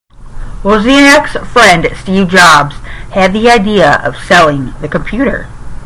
Wozniak's friend Steve Jobs had the idea of selling the computer.